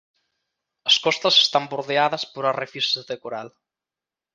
As costas están bordeadas por arrecifes de coral.